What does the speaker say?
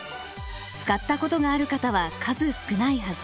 使ったことがある方は数少ないはず。